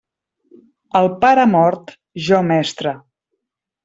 El pare mort, jo mestre.